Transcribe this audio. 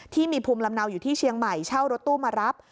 ที่มีภูมิลำเนาอยู่ที่เชียงใหม่เช่ารถตู้มารับ